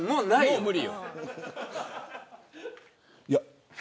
もう無理。